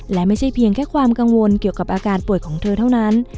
และไม่ใช่เพียงแค่ความกังวลเกี่ยวกับอาการป่วยของเธอเท่านั้น